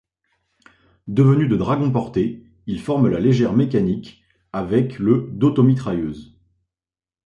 Devenu de dragons portés, il forme la légère mécanique avec le d'automitrailleuses.